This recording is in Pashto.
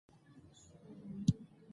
شال له شړۍ سره پيوند نه اخلي.